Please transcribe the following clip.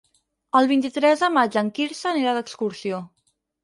El vint-i-tres de maig en Quirze anirà d'excursió.